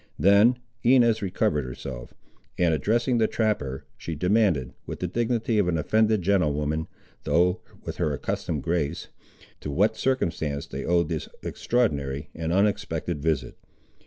Then Inez recovered herself, and addressing the trapper, she demanded, with the dignity of an offended gentlewoman, though with her accustomed grace, to what circumstance they owed this extraordinary and unexpected visit.